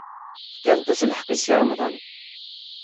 Fkant-as lḥeqq i Si Remḍan.